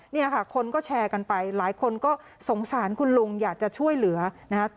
เนี่ยค่ะคนก็แชร์กันไปหลายคนก็สงสารคุณลุงอยากจะช่วยเหลือนะฮะ